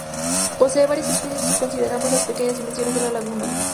Posee varias especies si consideramos las pequeñas dimensiones de la laguna.